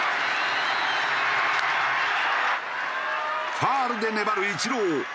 ファールで粘るイチロー。